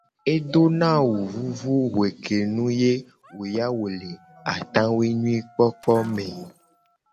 Edona awu vuvu hue ke nu ye wo ya wo le atawui nyakpokpo me.